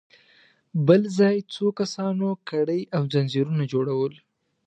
بل ځای څو کسانو کړۍ او ځنځيرونه جوړل.